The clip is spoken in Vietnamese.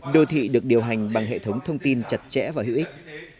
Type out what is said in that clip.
đô thị được điều hành bằng hệ thống thông tin chặt chẽ và hữu ích